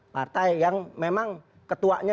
partai yang memang ketuanya